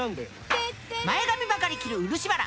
前髪ばかり切る漆原。